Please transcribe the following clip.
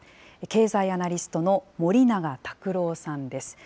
経済アナリストの森永卓郎さんです。